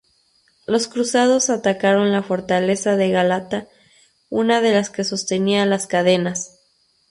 Los cruzados atacaron la fortaleza de Gálata-una de las que sostenía las cadenas-.